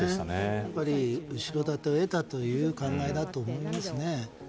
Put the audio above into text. やっぱり後ろ盾を得たという感慨だと思いますね。